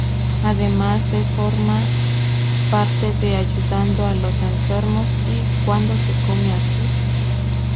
Además de formar parte de "Ayudando a los enfermos" y "¿Cuándo se come aquí?